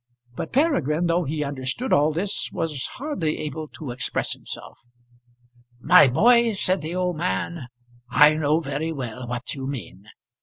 But Peregrine, though he understood all this, was hardly able to express himself. "My boy," said the old man, "I know very well what you mean.